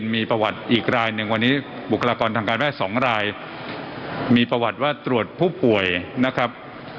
มีประวัติว่าตรวจผู้ป่วยนะครับ